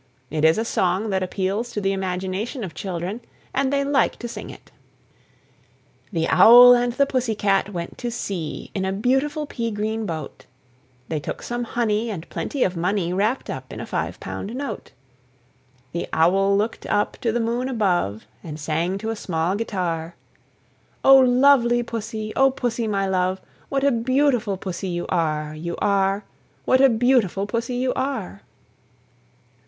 It is a song that appeals to the imagination of children, and they like to sing it. The Owl and the Pussy Cat went to sea In a beautiful pea green boat; They took some honey, and plenty of money Wrapped up in a five pound note. The Owl looked up to the moon above, And sang to a small guitar, "O lovely Pussy! O Pussy, my love! What a beautiful Pussy you are, You are, What a beautiful Pussy you are!"